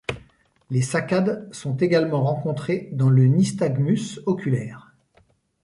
Les saccades sont également rencontrées dans le nystagmus oculaire.